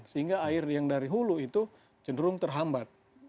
sehingga air yang dari hulu itu cenderung terhambat